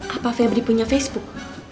apa febri punya facebook